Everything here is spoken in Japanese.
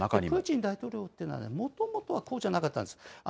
プーチン大統領というのは、もともとはそうじゃなかったんです。